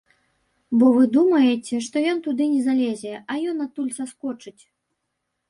Бо вы думаеце, што ён туды не залезе, а ён адтуль саскочыць.